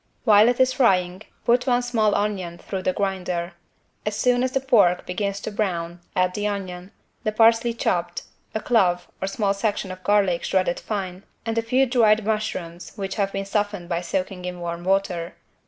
While it is frying put one small onion through the grinder. As soon as the pork begins to brown add the onion, the parsley chopped, a clove (or small section) of garlic shredded fine, and a few dried mushrooms which have been softened by soaking in warm water.